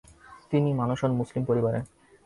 তিনি মানুষ হন মুসলিম পরিবারে।